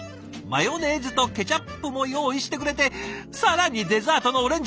マヨネーズとケチャップも用意してくれてさらにデザートのオレンジまで。